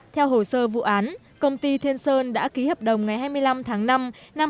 theo hồ sơ vụ án công ty thiên sơn đã ký hợp đồng ngày hai mươi năm tháng năm năm hai nghìn hai mươi ba